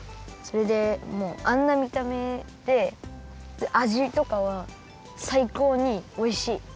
それでもあんなみためであじとかはさいこうにおいしい。